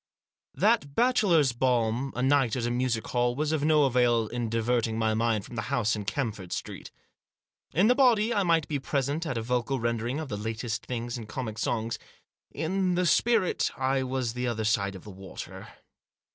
That bachelor's balm, a night at a music hall, was of no avail in diverting my mind from the house in Camford Street. In the body I might be present at a vocal rendering of the latest things in comic songs ; in the spirit I was the other side of the water.